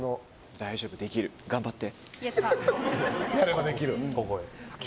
大丈夫、できる頑張って。